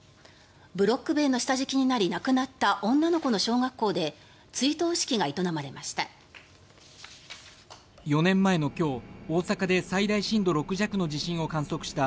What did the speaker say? ブロック塀の下敷きになり亡くなった女の子の小学校で追悼式が営まれました。